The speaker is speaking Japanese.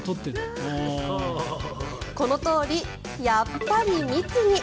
このとおり、やっぱり密に。